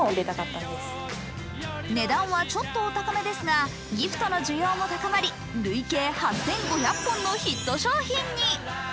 値段はちょっとお高めですが、ギフトの需要も高まり累計８５００本のヒット商品に。